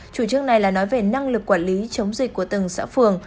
chủ trương này là nói về năng lực quản lý chống dịch của từng xã phường